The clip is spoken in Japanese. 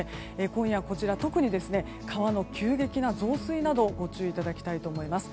今夜、特に川の急激な増水などにご注意いただきたいと思います。